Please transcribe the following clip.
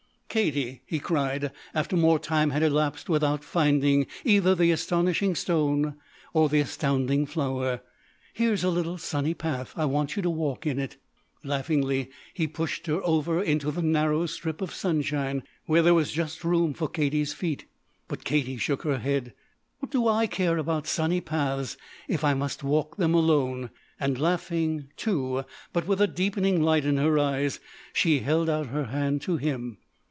"Katie," he cried, after more time had elapsed without finding either the astonishing stone or the astounding flower, "here's a little sunny path! I want you to walk in it." Laughingly he pushed her over into the narrow strip of sunshine, where there was just room for Katie's feet. But Katie shook her head. "What do I care about sunny paths, if I must walk them alone?" And laughing, too, but with a deepening light in her eyes, she held out her hand to him.